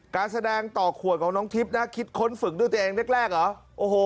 การแสดงต่อขวดของน้องทิพย์นะคิดค้นฝึกด้วยตัวเองแรกเหรอโอ้โห